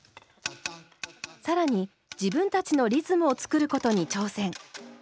更に自分たちのリズムを作ることに挑戦。